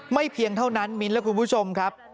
เพียงเท่านั้นมิ้นและคุณผู้ชมครับ